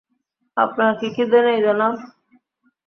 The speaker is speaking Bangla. আপনার কি খিদে নেই, জনাব?